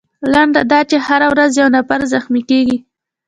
لنډه دا چې هره ورځ یو نفر زخمي کیږي.